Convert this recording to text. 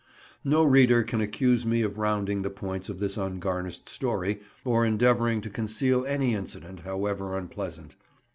No reader can accuse me of rounding the points of this ungarnished story, or endeavouring to conceal any incident, however unpleasant.